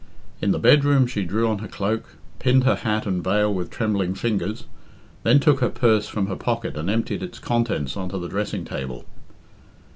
In the bedroom she drew on her cloak, pinned her hat and veil with trembling fingers, then took her purse from her pocket and emptied its contents onto the dressing table.